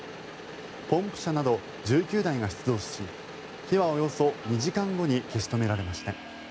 ポンプ車など１９台が出動し火はおよそ２時間後に消し止められました。